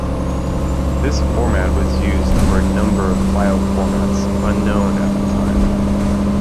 This format was used for a number of file formats unknown at that time.